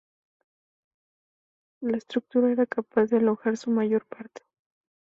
La estructura era capaz de alojar su mayor parte.